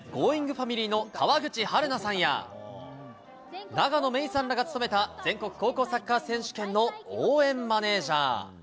ファミリーの川口春奈さんや、永野芽郁さんらが務めた全国高校サッカー選手権の応援マネージャー。